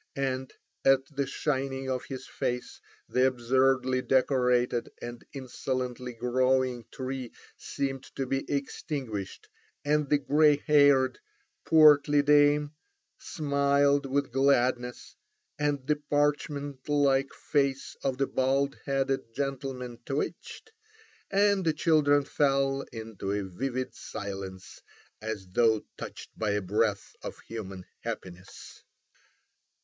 And at the shining of his face the absurdly decorated and insolently growing tree seemed to be extinguished, and the grey haired, portly dame smiled with gladness, and the parchment like face of the bald headed gentleman twitched, and the children fell into a vivid silence as though touched by a breath of human happiness.